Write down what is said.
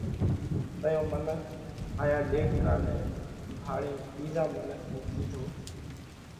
تئيون منک هائيا ڏيڏڪا نئہ ڀاۯينَ ٻِيزا منک نئہ ڪِيڌو: